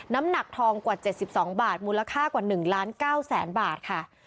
น้ำหนักทองกว่าเจ็ดสิบสองบาทมูลค่ากว่าหนึ่งล้านเก้าแสนบาทค่ะ